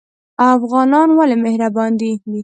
افغانان ولې مهربان دي؟